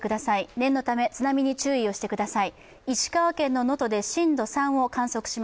念のため津波に注意してください。